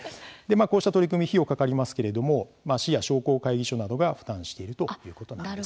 こうした取り組み費用かかりますけれども市や商工会議所などが負担しているということなんです。